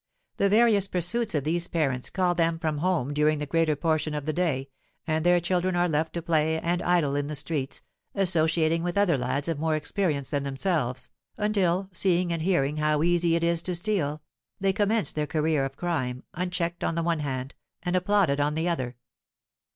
The various pursuits of these parents call them from home during the greater portion of the day, and their children are left to play and idle in the streets, associating with other lads of more experience than themselves, until, seeing and hearing how easy it is to steal, they commence their career of crime, unchecked on the one hand and applauded on the other.